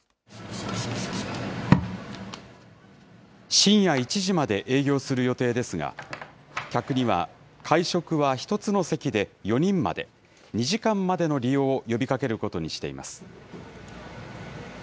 深夜１時まで営業する予定ですが、客には会食は１つの席で４人まで、２時間までの利用を呼びかけることにしています。